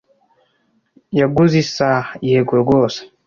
"Yaguze isaha?" "Yego rwose."